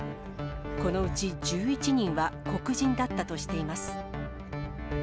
このうち１１人は黒人だったとしています。